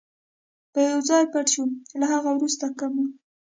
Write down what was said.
به یو ځای پټ شو، له هغه وروسته که مو.